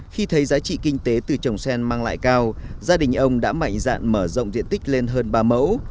khi thấy giá trị kinh tế từ trồng sen mang lại cao gia đình ông đã mạnh dạn mở rộng diện tích lên hơn ba mẫu